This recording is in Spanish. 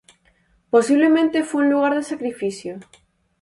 Posiblemente fue un lugar de sacrificio.